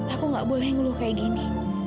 aku gak boleh ngeluh kayak gini